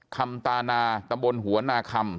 คำตานาตำบลหัวนาคำ